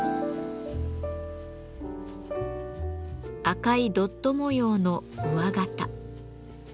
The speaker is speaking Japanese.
赤いドット模様の「上形」。